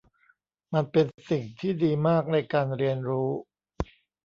มันเป็นสิ่งที่ดีมากในการเรียนรู้